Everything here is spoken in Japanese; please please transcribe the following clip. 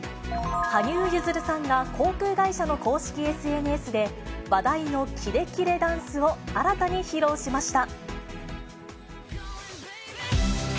羽生結弦さんが航空会社の公式ＳＮＳで、話題のキレキレダンスを新たに披露しました。